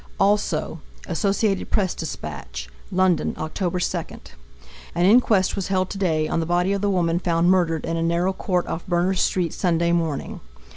Associated Press Dispatch. London, Oct. 2. An inquest was held today on the body of the woman found murdered in a narrow court off Berners street Sunday morning.